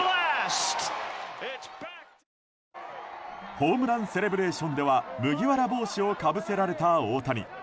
ホームランセレブレーションでは麦わら帽子をかぶせられた大谷。